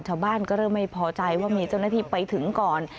ชาวบ้านก็เริ่มไม่พอใจว่ามีเจ้าหน้าที่ไปถึงก่อน